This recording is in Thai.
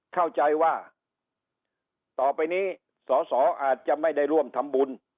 เข้าใจว่าต่อไปนี้สอสออาจจะไม่ได้ร่วมทำบุญ